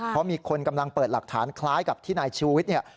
เพราะมีคนกำลังเปิดหลักฐานคล้ายกับที่นายชูวิทย์เนี่ย